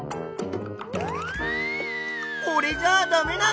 これじゃあダメなの？